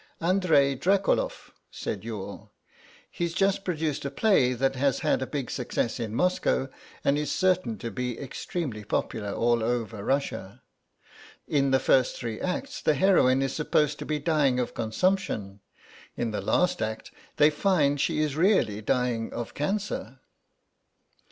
"Andrei Drakoloff," said Youghal; "he's just produced a play that has had a big success in Moscow and is certain to be extremely popular all over Russia. In the first three acts the heroine is supposed to be dying of consumption; in the last act they find she is really dying of cancer."